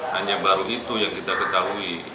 hanya baru itu yang kita ketahui